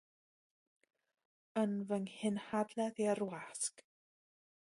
Yn fy nghynhadledd i'r wasg.